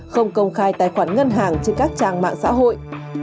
không công khai tài khoản ngân hàng trên các trang mạng xã hội